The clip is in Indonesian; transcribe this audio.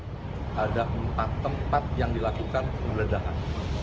sehingga hari senin saya sudah dilaporkan ada empat tempat yang dilakukan penggeledahan